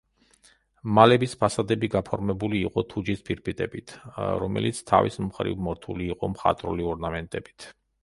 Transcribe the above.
მალების ფასადები გაფორმებული იყო თუჯის ფირფიტებით, რომელიც თავის მხრივ მორთული იყო მხატვრული ორნამენტებით.